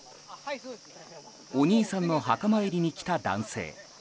お兄さんの墓参りに来た男性。